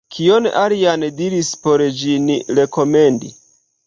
Kion alian diri por ĝin rekomendi?